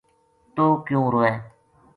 توہ کیوں روئے